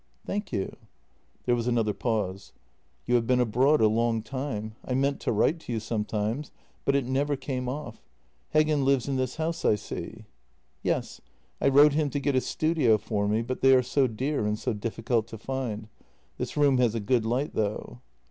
"Thank you." There was another pause. " You have been abroad a long time. I meant to write to you sometimes, but it never came off. Heggen lives in this house, I see." "Yes; I wrote him to get a studio for me, but they are so dear and so difficult to find. This room has a good light, though."